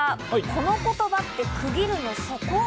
この言葉って区切るのそこ！？